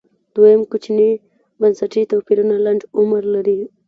دویم کوچني بنسټي توپیرونه لنډ عمر لري